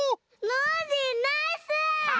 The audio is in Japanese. ノージーナイス！